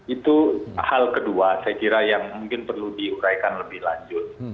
itu hal kedua saya kira yang mungkin perlu diuraikan lebih lanjut